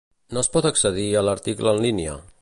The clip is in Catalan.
No es pot accedir a l'article en línia.